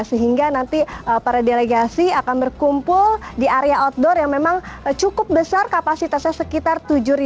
sehingga nanti para delegasi akan berkumpul di area outdoor yang memang cukup besar kapasitasnya sekitar tujuh